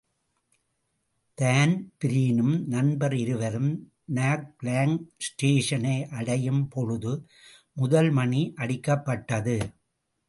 தான்பீரினும் நண்பர் இருவரும் நாக்லாங் ஸ்டேஷனை அடையும் பொழுது முதல் மணி அடிக்கப்பட்டது.